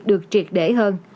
được triệt để hơn